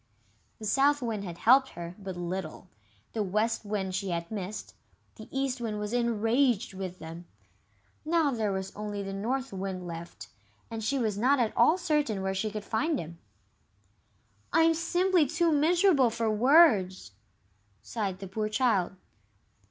The South Wind had helped her but little, the West Wind she had missed, the East Wind was enraged with them. Now there was only the North Wind left, and she was not at all certain where she could find him. "I'm simply too miserable for words!" sighed the poor child.